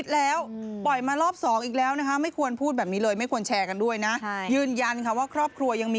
แล้วก็ข่าวลืมเมื่อวานนี้